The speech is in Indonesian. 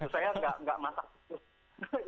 saya tidak masak khusus